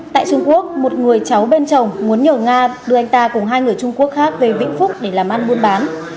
tại trung quốc một người cháu bên chồng muốn nhờ nga đưa anh ta cùng hai người trung quốc khác về vĩnh phúc để làm ăn buôn bán